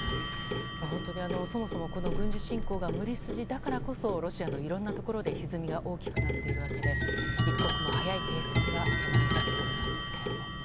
そもそも軍事侵攻が無理筋だからこそロシアのいろんなところのひずみが大きくなっているわけで一刻も早い停戦が懸命だと思うんですけれども。